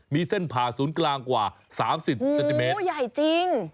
มีเส้นผ่าศูนย์กลางกว่า๓๐เซนติเมตรตัวใหญ่จริง